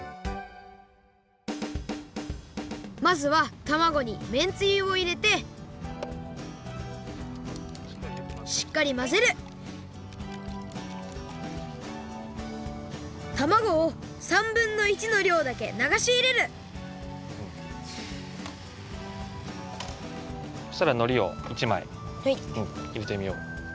まずはたまごにめんつゆをいれてしっかりまぜるたまごを３ぶんの１のりょうだけながしいれるそしたらのりを１まいいれてみよう。